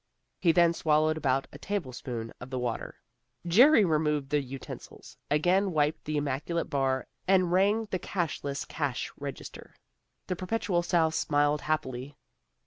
He then swallowed about a tablespoonful of the water. Jerry removed the utensils, again wiped the immaculate bar, and rang the cashless cash register. The Perpetual Souse smiled happily.